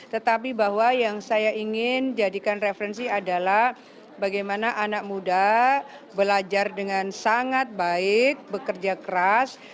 tetapi bahwa yang saya ingin jadikan referensi adalah bagaimana anak muda belajar dengan sangat baik bekerja keras